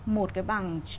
một cái bảng